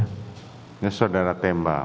ini saudara tembak